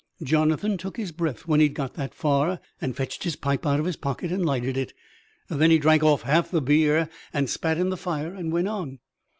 Jonathan took his breath when he'd got that far, and fetched his pipe out of his pocket and lighted it. Then he drank off half the beer, and spat in the fire, and went on.